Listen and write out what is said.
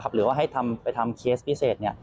หรือว่าให้ไปทำเคสพิเศษ